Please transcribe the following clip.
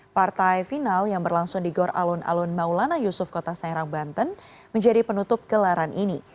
partai final yang berlangsung di gor alun alun maulana yusuf kota serang banten menjadi penutup gelaran ini